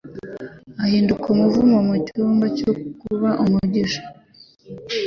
ihinduka umuvumo mu cyimbo cyo kuba umugisha